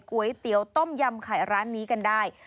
ก๋วยเตี๋ยวต้มยำไข่ร้านนี้กันได้